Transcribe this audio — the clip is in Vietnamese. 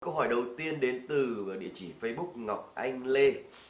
câu hỏi đầu tiên đến từ địa chỉ facebook ngọc anh lê